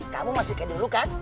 kamu masih kayak dulu kan